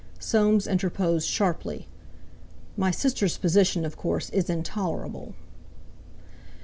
Soames interposed sharply: "My sister's position, of course, is intolerable."